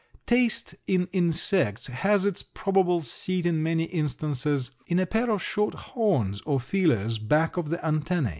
Taste in insects has its probable seat in many instances in a pair of short horns or feelers back of the antennæ.